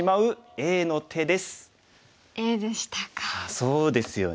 そうですよね。